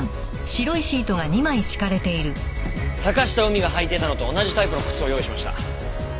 坂下海が履いていたのと同じタイプの靴を用意しました。